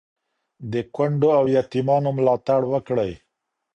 د کونډو او یتیمانو ملاتړ وکړئ.